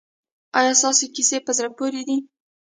ایا ستاسو کیسې په زړه پورې دي؟